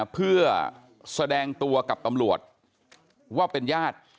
เพื่อแสดงตัวกับตำรวจว่าเป็นญาติ